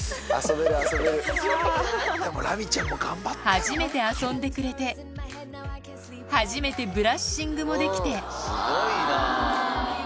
初めて遊んでくれて初めてブラッシングもできてすごいな。